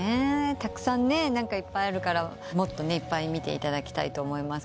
たくさんいっぱいあるからもっといっぱい見ていただきたいと思います。